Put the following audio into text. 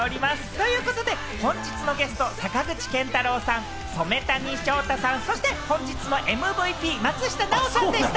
ということで本日のゲスト、坂口健太郎さん、染谷将太さん、本日のＭＶＰ・松下奈緒さんでした。